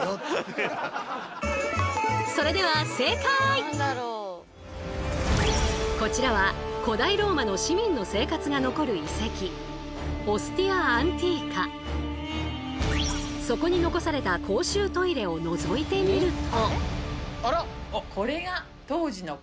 それではこちらは古代ローマの市民の生活が残るそこに残された公衆トイレをのぞいてみると。